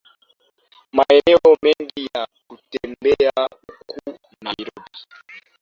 Maeneo mengi ya kutembea huku Nairobi